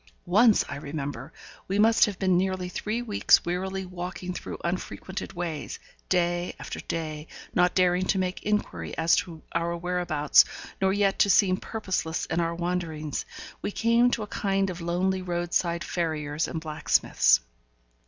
Once I remember we must have been nearly three weeks wearily walking through unfrequented ways, day after day, not daring to make inquiry as to our whereabouts, nor yet to seem purposeless in our wanderings we came to a kind of lonely roadside farrier's and blacksmith's.